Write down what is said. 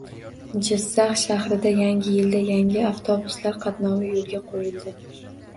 Jizzax shahrida yangi yilda yangi avtobuslar qatnovi yo‘lga qo‘yildi